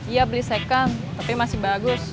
iya beli second tapi masih bagus